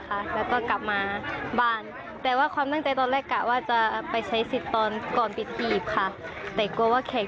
ก็เลยไปใช้สิทธิ์ของตัวเอง